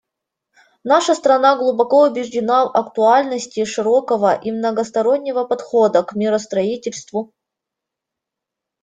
Наша страна глубоко убеждена в актуальности широкого и многостороннего подхода к миростроительству.